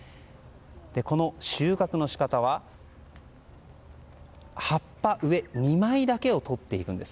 この収穫の仕方は葉っぱの上２枚だけを取っていくんです。